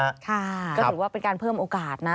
ก็ถือว่าเป็นการเพิ่มโอกาสนะ